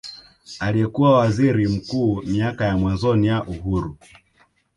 Aliyekuwa Waziri Mkuu miaka ya mwanzoni ya uhuru